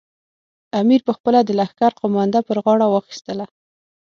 امیر پخپله د لښکر قومانده پر غاړه واخیستله.